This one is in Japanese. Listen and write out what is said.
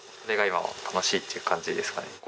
それが今は楽しいっていう感じですかね。